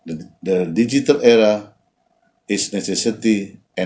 era digital adalah kebutuhan